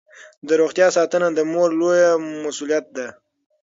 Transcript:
د روغتیا ساتنه د مور لویه مسوولیت ده.